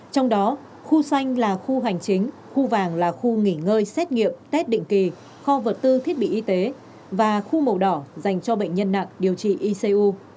trong đó khu xanh là khu hành chính khu vàng là khu nghỉ ngơi xét nghiệm tết định kỳ kho vật tư thiết bị y tế và khu màu đỏ dành cho bệnh nhân nặng điều trị icu